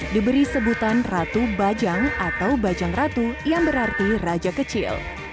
diberi sebutan ratu bajang atau bajang ratu yang berarti raja kecil